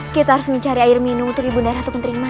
kita harus mencari air minum untuk ibu darah tukun terima